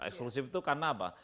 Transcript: eksklusif itu karena apa